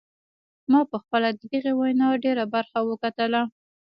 ما پخپله د دغې وینا ډیره برخه وکتله.